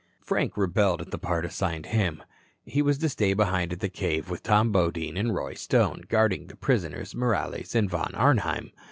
Frank rebelled at the part assigned him. He was to stay behind at the cave with Tom Bodine and Roy Stone, guarding the prisoners, Morales and Von Arnheim.